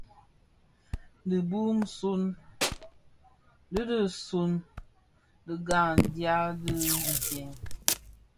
Bi dhi suň dhighan dya dhi nken.